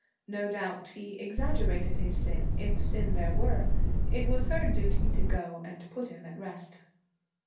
No doubt he exaggerated his sin, if sin there were. It was her duty to go and put him at rest.